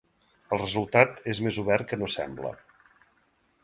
El resultat és més obert que no sembla.